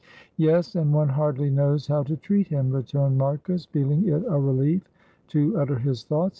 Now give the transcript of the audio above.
"Yes, and one hardly knows how to treat him," returned Marcus, feeling it a relief to utter his thoughts.